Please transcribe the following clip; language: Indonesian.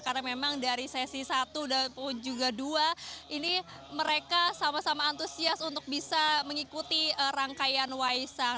karena memang dari sesi satu dan juga dua ini mereka sama sama antusias untuk bisa mengikuti rangkaian waisang